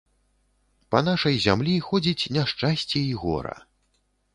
Па нашай зямлі ходзіць няшчасце і гора.